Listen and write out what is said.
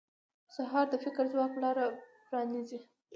سهار د فکري ځواک لاره پرانیزي.